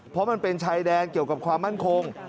เพราะมันเป็นชายแดนเกี่ยวกับความมั่นคง